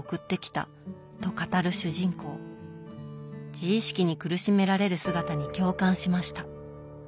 自意識に苦しめられる姿に共感しました。